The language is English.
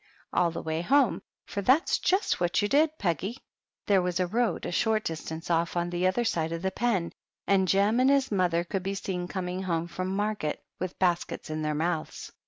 all the way home, for that is just what you did, There was a road a short distance off, PEGGY THE PIG. 29 on the other side of the pen, and Jem and his mother could be seen coming home from market with baskets in their mouths.